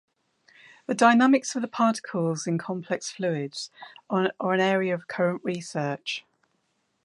The dynamics of the particles in complex fluids are an area of current research.